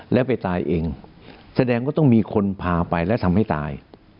แล้วไปตายเองแสดงว่าต้องมีคนพาไปและทำให้ตาย